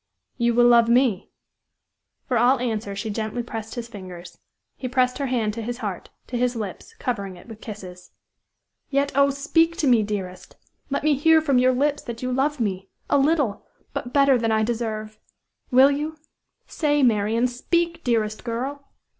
"You will love me?" For all answer she gently pressed his fingers. He pressed her hand to his heart, to his lips, covering it with kisses. "Yet, oh! speak to me, dearest; let me hear from your lips that you love me a little but better than I deserve. Will you? Say, Marian! Speak, dearest girl!"